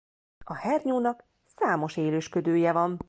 A hernyónak számos élősködője van.